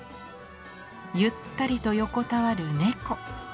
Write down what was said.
ゆったりと横たわる猫。